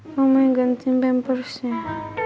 kamu ingin gantiin pembersih